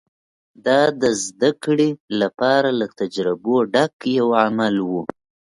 دا د زدهکړې لپاره له تجربو ډک یو عمل و